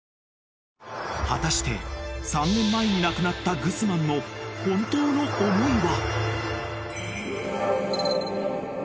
［果たして３年前に亡くなったグスマンの本当の思いは？］